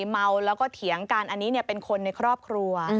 เมาแล้วก็เถียงกันอันนี้เป็นคนในครอบครัว